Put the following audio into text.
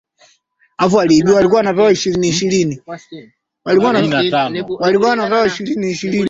watu mia kumi na tano walikufa